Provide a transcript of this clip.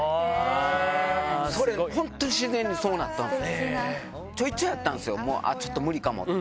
それ、本当に自然にそうなったんで、ちょいちょいあったんですよ、あっ、ちょっと無理かもって。